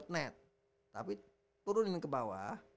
net tapi turunin ke bawah